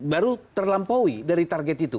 baru terlampaui dari target itu